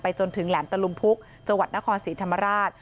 จนถึงแหลมตะลุมพุกจังหวัดนครศรีธรรมราช